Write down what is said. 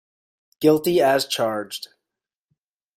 Guilty as charged.